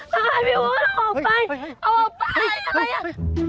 ลาก่อนพี่แววุดออกไป